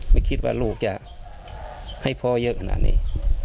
ไม่คิดว่าลูกจะให้พ่อเยอะขนาดนี้